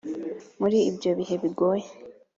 Muri ibyo bihe bigoye